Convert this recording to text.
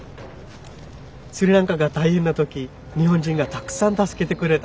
スリランカが大変な時日本人がたくさん助けてくれた。